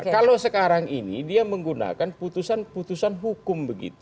kalau sekarang ini dia menggunakan putusan putusan hukum